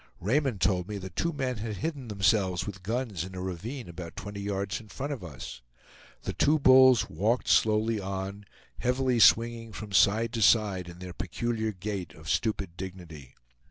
Raymond told me that two men had hidden themselves with guns in a ravine about twenty yards in front of us. The two bulls walked slowly on, heavily swinging from side to side in their peculiar gait of stupid dignity.